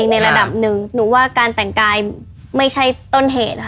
ในระดับหนึ่งหนูว่าการแต่งกายไม่ใช่ต้นเหตุค่ะ